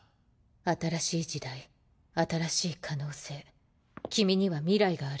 新しい時代新しい可能性君には未来がある。